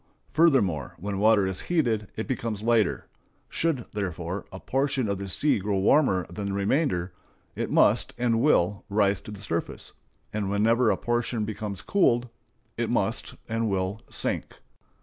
Furthermore, when water is heated it becomes lighter. Should, therefore, a portion of the sea grow warmer than the remainder, it must and will rise to the surface; and whenever a portion becomes cooled, it must and will sink.